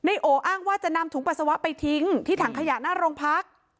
โออ้างว่าจะนำถุงปัสสาวะไปทิ้งที่ถังขยะหน้าโรงพัก